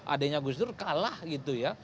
adanya gus dur kalah gitu ya